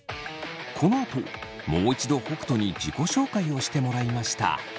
このあともう一度北斗に自己紹介をしてもらいました。